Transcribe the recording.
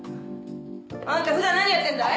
あんた普段何やってんだい？